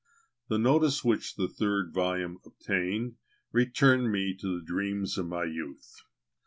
The notice which the third volume obtained, returned me to the dream of my youth.